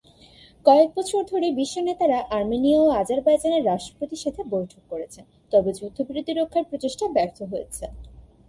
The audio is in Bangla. কয়েক বছর ধরে বিশ্ব নেতারা আর্মেনিয়া ও আজারবাইজানের রাষ্ট্রপতির সাথে বৈঠক করেছেন, তবে যুদ্ধবিরতি রক্ষার প্রচেষ্টা ব্যর্থ হয়েছে।